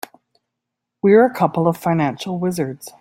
We're a couple of financial wizards.